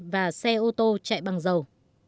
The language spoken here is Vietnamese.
và xe ô tô chạy bằng dầu